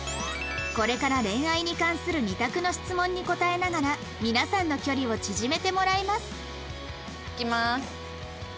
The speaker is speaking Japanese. これから恋愛に関する２択の質問に答えながら皆さんの距離を縮めてもらいますいきます。